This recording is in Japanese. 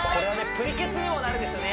プリケツにもなるんですよね